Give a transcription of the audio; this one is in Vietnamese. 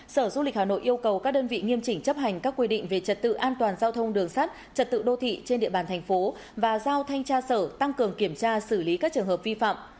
sở du lịch hà nội yêu cầu các đơn vị nghiêm chỉnh chấp hành các quy định về trật tự an toàn giao thông đường sắt trật tự đô thị trên địa bàn thành phố và giao thanh tra sở tăng cường kiểm tra xử lý các trường hợp vi phạm